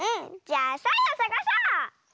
じゃあサイをさがそう！